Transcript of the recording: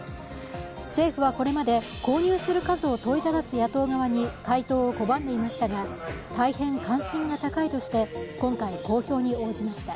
政府はこれまで購入する数を問いただす野党側に回答を拒んでいましたが、大変関心が高いとして今回、公表に応じました。